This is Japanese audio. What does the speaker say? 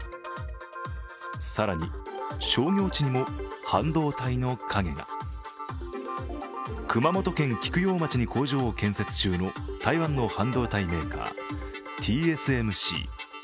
更に商業地にも半導体の影が熊本県菊陽町に工場を建設中の台湾の半導体メーカー、ＴＳＭＣ。